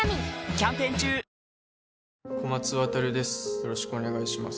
よろしくお願いします